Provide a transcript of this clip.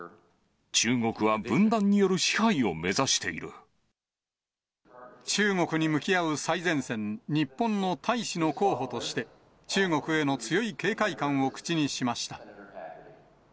中国は分断による支配を目指して中国に向き合う最前線、日本の大使の候補として、中国への強い警戒感を口にしました。